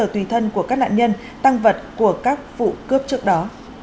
tùy thân của các nạn nhân tăng vật của các vụ cướp trước đó